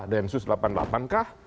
densus delapan puluh delapan kah